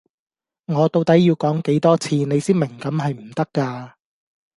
我到底要講幾多次你先明咁係唔得架